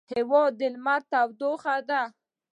هېواد د لمر تودوخه ده.